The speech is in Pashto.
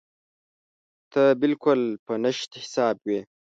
ته بالکل په نشت حساب وې.